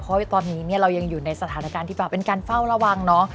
เพราะตอนนี้เรายังอยู่ในสถานการณ์ที่เปล่าเป็นการเฝ้าระวังเนอะ